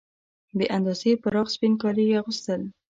بې اندازې پراخ سپین کالي یې اغوستل.